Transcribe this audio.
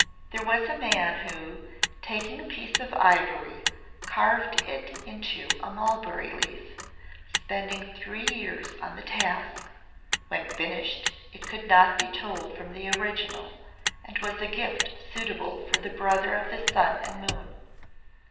"There was a man who, taking a piece of ivory, carved it into a mulberry leaf, spending three years on the task. When finished it could not be told from the original, and was a gift suitable for the Brother of the Sun and Moon.